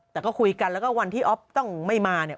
แต่ก็คุยกันแล้วก็วันที่อ๊อฟต้องไม่มาเนี่ย